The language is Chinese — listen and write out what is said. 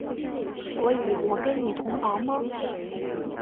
所以我跟你同房吗？